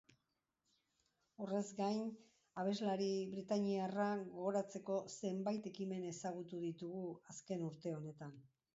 Horrez gain, abeslari britainiarra gogoratzeko zenbait ekimen ezagutu ditugu azken urte honetan.